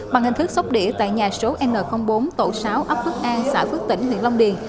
bằng hình thức sóc đĩa tại nhà số n bốn tổ sáu ấp phước an xã phước tỉnh huyện long điền